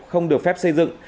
không được phép xây dựng